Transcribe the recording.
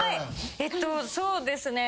えっとそうですね。